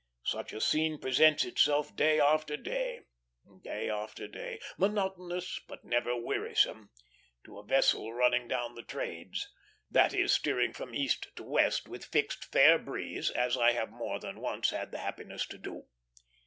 Such a scene presents itself day after day, day after day, monotonous but never wearisome, to a vessel running down the trades; that is, steering from east to west, with fixed, fair breeze, as I have more than once had the happiness to do.